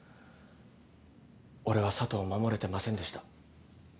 俺は佐都を守れてませんでした。